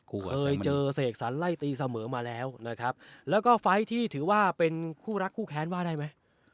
เคยเจอเสกสรรไล่ตีเสมอมาแล้วนะครับแล้วก็ไฟล์ที่ถือว่าเป็นคู่รักคู่แค้นว่าได้ไหม